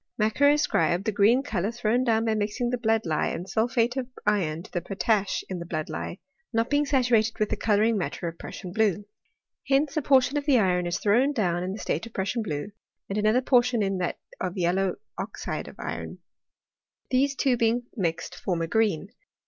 Macquer ascribed the green colour thrown down, by mixing the blood lie and sulphate of iron to the potash in the blood lie» not being saturated with the colouring matter of Prus sian blue. Hence a portion of the iron is thrown down in the state of Prussian blue, and another por ,tion in that of yellow oxide of iron : these two being mixed form a green.